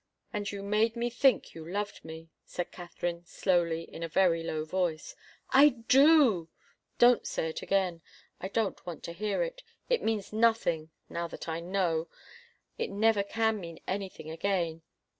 "And you made me think you loved me," said Katharine, slowly, in a very low voice. "I do " "Don't say it again. I don't want to hear it. It means nothing, now that I know it never can mean anything again.